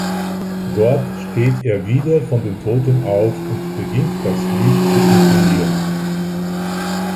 Dort steht er wieder von den Toten auf und beginnt das Lied zu intonieren.